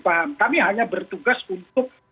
paham kami hanya bertugas untuk